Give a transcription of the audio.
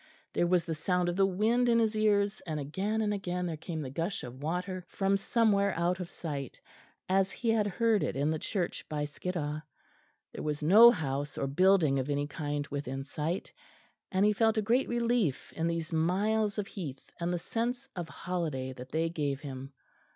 There was the sound of the wind in his ears, and again and again there came the gush of water from somewhere out of sight as he had heard it in the church by Skiddaw. There was no house or building of any kind within sight, and he felt a great relief in these miles of heath and the sense of holiday that they gave him.